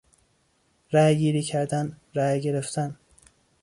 رای گیری کردن، رای گرفتن